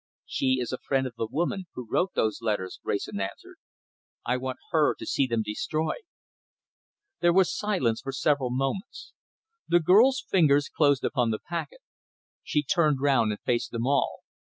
"She is a friend of the woman who wrote those letters," Wrayson answered. "I want her to see them destroyed." There was silence for several moments. The girl's fingers closed upon the packet. She turned round and faced them all.